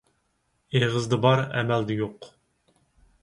ئېغىزدا بار، ئەمەلدە يوق.